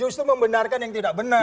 justru membenarkan yang tidak benar